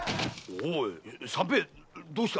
オイ三平どうした？